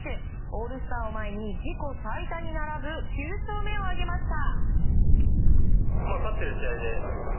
オールスターを前に自己最多に並ぶ９勝目を挙げました。